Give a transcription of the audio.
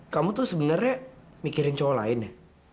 kamu tuh sebenarnya mikirin cowok lain ya